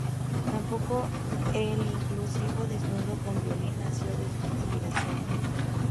Tampoco el inconcluso "Desnudo con violín" nació de su inspiración.